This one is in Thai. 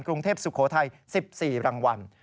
กรุงเทพฯสุโขทัย๑๔รางวัล